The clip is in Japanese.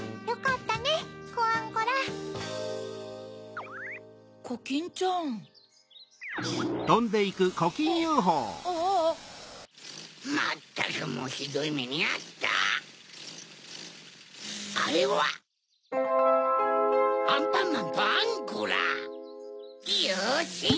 よし！